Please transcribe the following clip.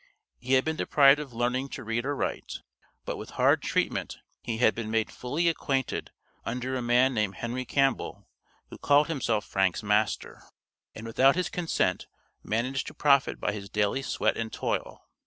He had been deprived of learning to read or write, but with hard treatment he had been made fully acquainted under a man named Henry Campbell, who called himself Frank's master, and without his consent managed to profit by his daily sweat and toil.